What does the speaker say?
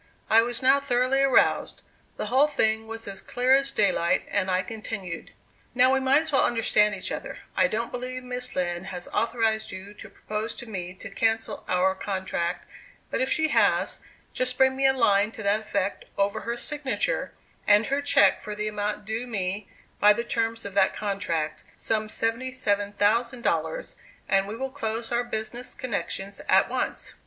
I was now thoroughly aroused; the whole thing was as clear as daylight, and I continued: "Now we might as well understand each other; I don't believe Miss Lind has authorized you to propose to me to cancel our contract; but if she has, just bring me a line to that effect over her signature and her check for the amount due me by the terms of that contract, some $77,000, and we will close our business connections at once."